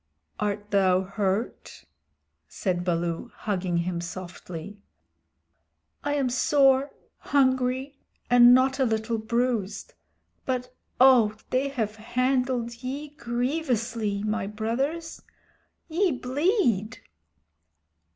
"Art thou hurt?" said Baloo, hugging him softly. "I am sore, hungry, and not a little bruised. But, oh, they have handled ye grievously, my Brothers! Ye bleed."